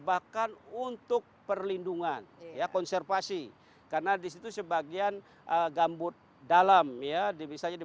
bahkan untuk perlindungan ya konservasi karena disitu sebagian gambut dalam ya desanya di